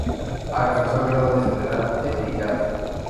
Alcanzó el grado de general de brigada.